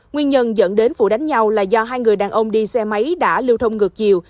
nguyên nhân dẫn đến vụ đánh nhau là do hai người đàn ông đi xe máy đã lưu thông ngược chiều